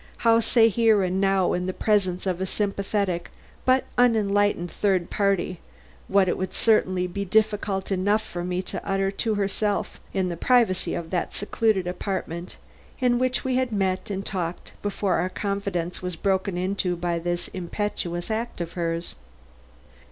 How say here and now in the presence of a sympathetic but unenlightened third party what it would certainly be difficult enough for me to utter to herself in the privacy of that secluded apartment in which we had met and talked before our confidence was broken into by this impetuous act of hers.